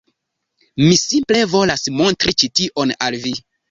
Mi simple volas montri ĉi tion al vi.